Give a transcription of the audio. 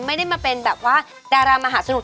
ไม่ได้มาเป็นดารามหาสนุก